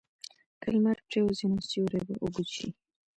که لمر پرېوځي، نو سیوری به اوږد شي.